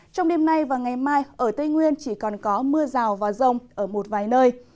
trong đêm nay và ngày mai ở tây nguyên chỉ còn có mưa rào và rông ở một vài nơi